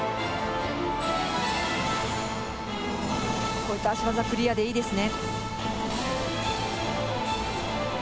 こういった脚技、クリアでいいですね。